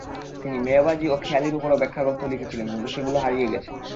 তিনি মেবাজী ও খেয়ালির উপরও ব্যাখ্যাগ্রন্থ লিখেছিলেন কিন্তু সেগুলো হারিয়ে গেছে।